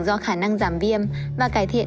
do khả năng giảm viêm và cải thiện